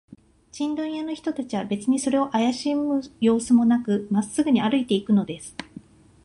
チンドン屋の人たちは、べつにそれをあやしむようすもなく、まっすぐに歩いていくのです。